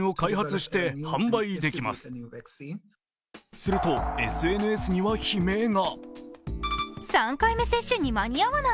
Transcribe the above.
するとＳＮＳには悲鳴が。